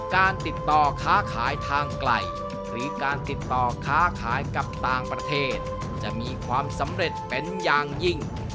การติดต่อค้าขายทางไกลหรือการติดต่อค้าขายกับต่างประเทศจะมีความสำเร็จเป็นอย่างยิ่ง